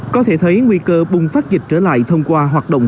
có thể thấy nguy cơ bùng phát dịch trở lại thông qua hoạt động